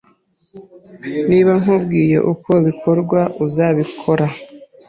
Niba nkubwiye uko bikorwa, uzabikora?